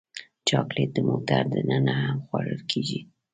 چاکلېټ د موټر دننه هم خوړل کېږي.